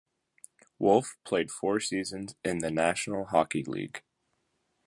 Wolfe played four seasons in the National Hockey League.